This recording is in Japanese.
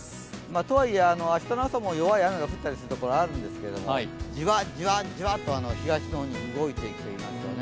とはいえ明日の朝も弱い雨が降ったりするところあるんですけどじわじわじわと東の方に動いていくといいますかね。